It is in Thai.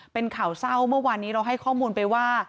เป็นข่าวเศร้าเมื่อวานนี้เราให้ข้อมูลไปว่า